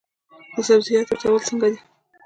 د سبزیجاتو وچول څنګه دي؟